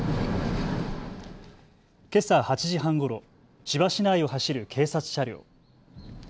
けさ８時半ごろ、千葉市内を走る警察車両。